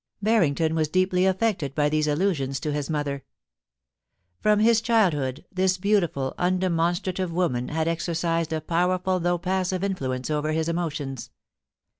Barrington was deeply affected by these allusions to his mother. From his childhood this beautiful, undemonstra tive woman had exercised a powerful though passive in fluence over his emotions.